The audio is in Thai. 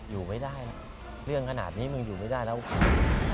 อยู่ไม่ได้หรอกเรื่องขนาดนี้มึงอยู่ไม่ได้แล้วใคร